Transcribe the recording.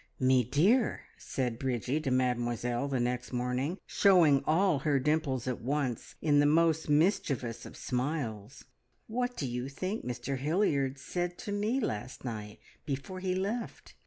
"Me dear," said Bridgie to Mademoiselle, the next morning, showing all her dimples at once in the most mischievous of smiles, "what do you think Mr Hilliard said to me last night before he left?